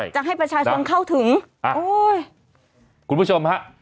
จะให้ประชาชนเข้าถึงโอ้ยคุณผู้ชมฮะ